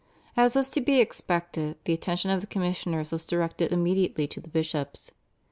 As was to be expected, the attention of the commissioners was directed immediately to the bishops.